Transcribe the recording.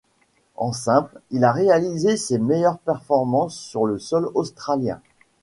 En simple, il a réalisé ses meilleures performances sur le sol australien.